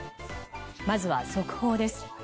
まずは速報です。